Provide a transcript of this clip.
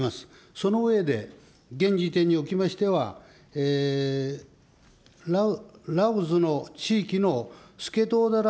その上で、現時点におきましてはの地域のスケトウダラ